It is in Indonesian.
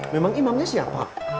memang imamnya siapa